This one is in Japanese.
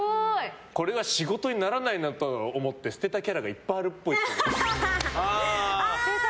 これは仕事にならないなと思って捨てたキャラがいっぱいあるっぽい。